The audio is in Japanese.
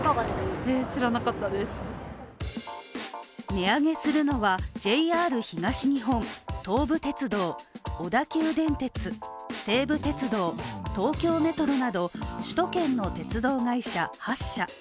値上げするのは、ＪＲ東日本、東武鉄道、小田急電鉄西武鉄道、東京メトロなど首都圏の鉄道会社８社。